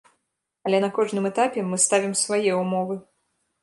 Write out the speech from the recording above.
Але на кожным этапе мы ставім свае ўмовы.